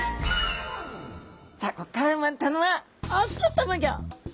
さあここから生まれたのは雄のたまギョ。